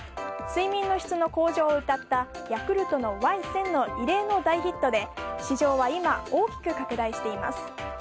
睡眠の質の向上をうたったヤクルトのＹ１０００の異例の大ヒットで市場は今、大きく拡大しています。